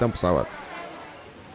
dan mengambil kotak kotak